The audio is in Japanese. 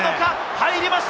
入りました！